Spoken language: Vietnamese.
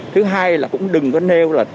thứ hai là cũng đừng có nêu